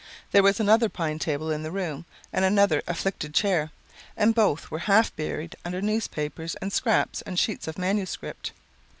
There was another pine table in the room and another afflicted chair, and both were half buried under newspapers and scraps and sheets of manuscript.